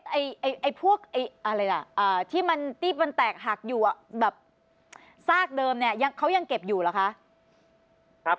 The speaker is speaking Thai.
ไอ้พวกที่มันที่มันแตกหักอยู่แบบซากเดิมเนี่ยเขายังเก็บอยู่เหรอคะ